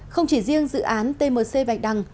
không chỉ riêng dự án tmc bạch đẳng